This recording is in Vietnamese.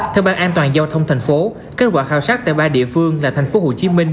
theo ban an toàn giao thông thành phố kết quả khảo sát tại ba địa phương là thành phố hồ chí minh